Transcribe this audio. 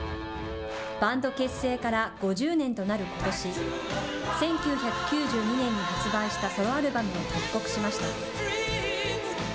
バンド結成から５０年となることし、１９９２年に発売したソロアルバムを復刻しました。